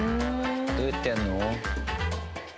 どうやってやるの？